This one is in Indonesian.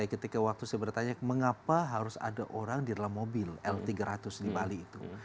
ketika waktu saya bertanya mengapa harus ada orang di dalam mobil l tiga ratus di bali itu